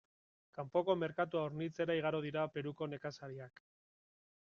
Kanpoko merkatua hornitzera igaro dira Peruko nekazariak.